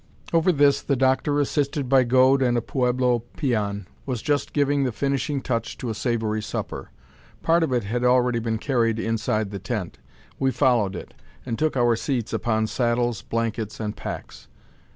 Over this, the doctor, assisted by Gode and a pueblo peon, was just giving the finishing touch to a savoury supper. Part of it had already been carried inside the tent. We followed it, and took our seats upon saddles, blankets, and packs.